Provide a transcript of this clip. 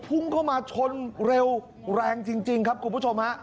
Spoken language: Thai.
พุ่งเข้ามาชนเร็วแรงจริงครับคุณผู้ชมฮะ